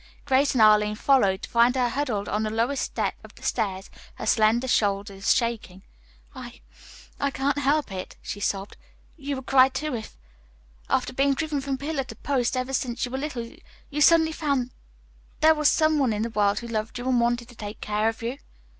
Grace and Arline followed, to find her huddled on the lowest step of the stairs, her slender shoulders shaking. "I I can't help it," she sobbed. "You would cry, too, if after being driven from pillar to post ever since you were little, you'd suddenly find that there was some one in the world who loved you and wanted to take care of you."